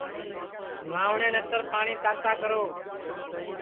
نہواٹؔے نتر پاٹؔی تاتا کرو